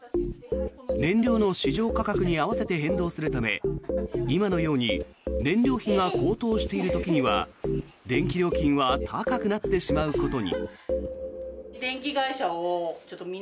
燃料の市場価格に合わせて変動するため今のように燃料費が高騰している時には電気料金は高くなってしまうことに。